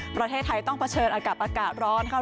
ประเทศไทยต้องเผชิญอากาศอากาศร้อนค่ะ